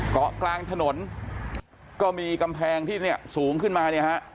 เกาะกลางถนนก็มีกำแพงที่สูงขึ้นมา